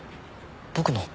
僕の？